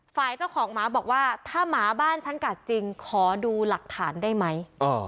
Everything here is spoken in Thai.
ฝ่ายเจ้าของหมาบอกว่าถ้าหมาบ้านฉันกัดจริงขอดูหลักฐานได้ไหม